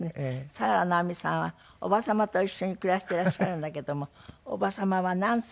佐良直美さんは叔母様と一緒に暮らしてらっしゃるんだけども叔母様は何歳？